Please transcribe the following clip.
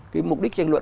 cái mục đích tranh luận